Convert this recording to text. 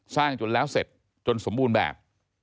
จนแล้วเสร็จจนสมบูรณ์แบบ